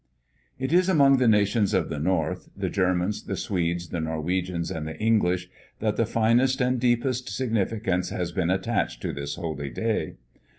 It is among the nations of the North, the Germans, the Swedes, the Norwegians and the English, that the finest and deepest significance has been attached to this holy day.